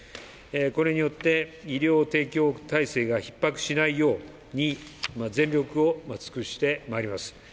これによって、医療提供体制がひっ迫しないように全力を尽くしてまいります。